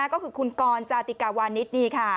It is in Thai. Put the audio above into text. ก็คือขุนกรจาติกาวร์นิดนีค่ะ